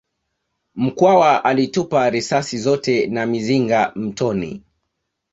Mkwawa alitupa risasi zote na mizinga mtoni